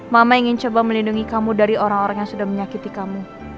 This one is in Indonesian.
mama ingin coba melindungi kamu dari orang orang yang sudah menyakiti kamu